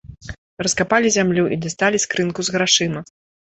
Раскапалі зямлю і дасталі скрынку з грашыма.